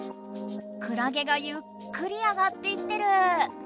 クラゲがゆっくり上がっていってる！